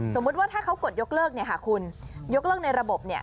สมมุติว่าถ้าเขากดยกเลิกเนี่ยค่ะคุณยกเลิกในระบบเนี่ย